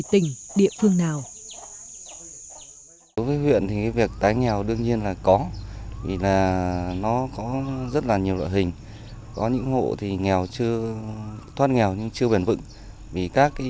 trị lợi nông thị lợi